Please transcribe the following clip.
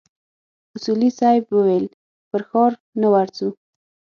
اصولي صیب وويل پر ښار نه ورځو.